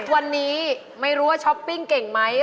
วันนี้ไม่รู้ว่าช้อปปิ้งเก่งไหม